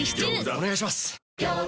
お願いします。